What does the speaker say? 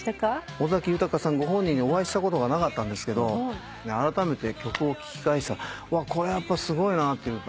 尾崎豊さんご本人にお会いしたことがなかったんですけどあらためて曲を聞き返したらこれやっぱすごいなというか。